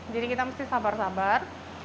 jadi kita mesti sabar sabar